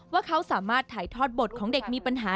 ว่าเขาสามารถถ่ายทอดบทของเด็กมีปัญหา